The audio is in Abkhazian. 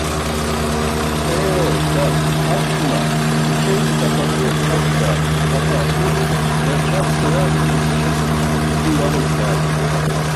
Ее, дад аԥшәма, учеиџьыка пату ақәзааит, аха урҭ рацәак сара исчысым, угәы иалымсааит.